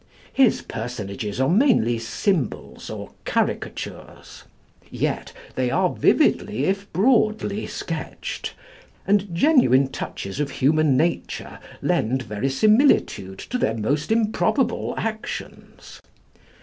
His personages are mainly symbols or caricatures. Yet they are vividly if broadly sketched, and genuine touches of human nature lend verisimilitude to their most improbable actions.